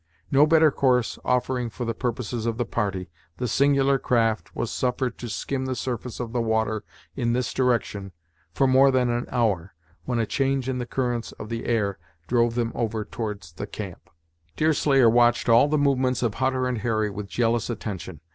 No better course offering for the purposes of the party, the singular craft was suffered to skim the surface of the water in this direction for more than hour, when a change in the currents of the air drove them over towards the camp. Deerslayer watched all the movements of Hutter and Harry with jealous attention.